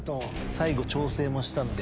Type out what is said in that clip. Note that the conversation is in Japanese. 最後調整もしたんで。